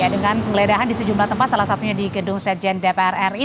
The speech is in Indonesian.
dengan penggeledahan di sejumlah tempat salah satunya di gedung sekjen dpr ri